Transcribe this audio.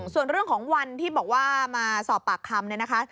ส่วนเรื่องของวันที่บอกว่ามาสอบปากคำเนี่ยนะคะ